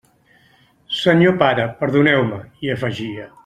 «Senyor pare, perdoneu-me», hi afegia.